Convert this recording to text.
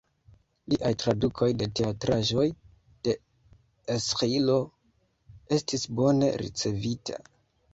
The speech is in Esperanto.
Liaj tradukoj de teatraĵoj de Esĥilo estis bone ricevita.